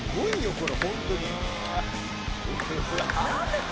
これ。